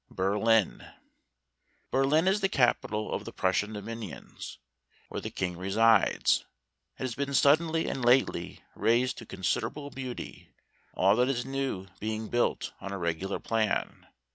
63 . Berlin . Berlin is the capital of the Prussian dominions, where the King resides. It has been suddenly, and lately, raised to considerable beauty; all that is new being built on a regular plan.